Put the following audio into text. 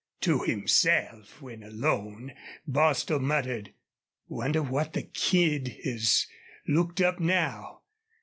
To himself, when alone, Bostil muttered: "Wonder what the kid has looked up now?